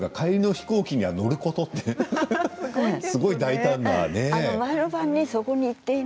唯一のルールが帰りの飛行機には乗ることってすごい大胆な。